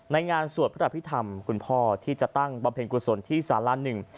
งานสวดพระอภิษฐรรมคุณพ่อที่จะตั้งบำเพ็ญกุศลที่สาระหนึ่ง